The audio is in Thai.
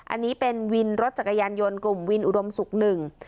อันนี้เป็นวินรถจักรยานยนต์กลุ่มวินอุดมศุกร์หนึ่ง